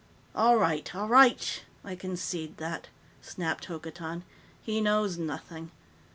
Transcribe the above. "All right, all right! I concede that," snapped Hokotan. "He knows nothing.